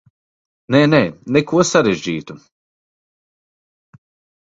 Nē, nē, neko sarežģītu.